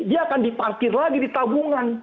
dia akan diparkir lagi di tabungan